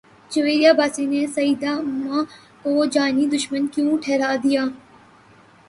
جویریہ عباسی نے سعدیہ امام کو جانی دشمن کیوں ٹھہرا دیا